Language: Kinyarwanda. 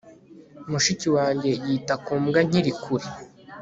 mushiki wanjye yita ku mbwa nkiri kure